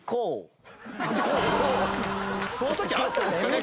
その時あったんですかね？